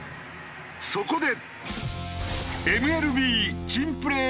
そこで。